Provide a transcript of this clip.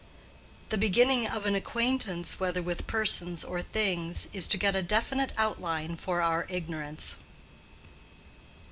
The beginning of an acquaintance whether with persons or things is to get a definite outline for our ignorance.